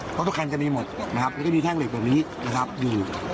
เพราะทุกคันจะมีหมดนะครับแล้วก็มีแท่งเหล็กแบบนี้นะครับอยู่